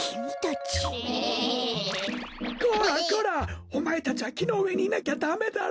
こらこらおまえたちはきのうえにいなきゃダメだろ。